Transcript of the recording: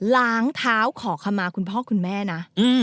ล้างเท้าขอขมาคุณพ่อคุณแม่นะ